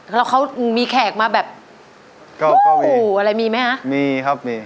แล้วเขามีแขกมาแบบเก่าโอ้โหอะไรมีไหมฮะมีครับมี